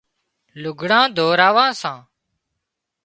لگھڙان ڌوراوان سان